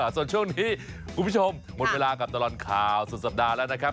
ส่วนช่วงนี้คุณผู้ชมหมดเวลากับตลอดข่าวสุดสัปดาห์แล้วนะครับ